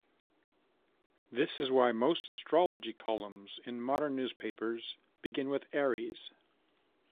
This is why most astrology columns in modern newspapers begin with Aries.